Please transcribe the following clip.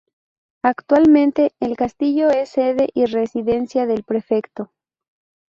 Actualmente el castillo es sede y residencia del prefecto.